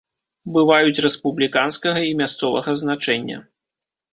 Бываюць рэспубліканскага і мясцовага значэння.